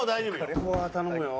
ここは頼むよ。